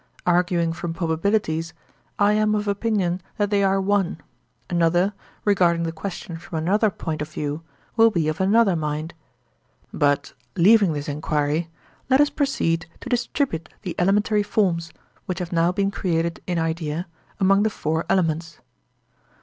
Arguing from probabilities, I am of opinion that they are one; another, regarding the question from another point of view, will be of another mind. But, leaving this enquiry, let us proceed to distribute the elementary forms, which have now been created in idea, among the four elements.